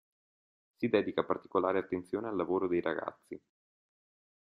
Si dedica particolare attenzione al lavoro dei ragazzi.